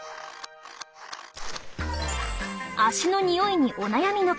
足のにおいにお悩みの方。